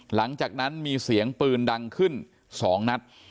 หลังจากนั้นมีเสียงปืนดังขึ้น๒นัด